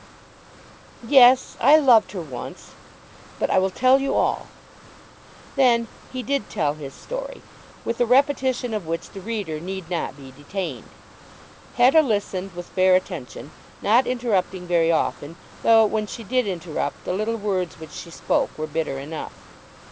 "Yes; I loved her once; but I will tell you all." Then he did tell his story, with a repetition of which the reader need not be detained. Hetta listened with fair attention, not interrupting very often, though when she did interrupt, the little words which she spoke were bitter enough.